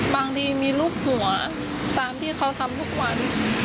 บางทีมีรูปหัวตามที่เขาทำทุกวัน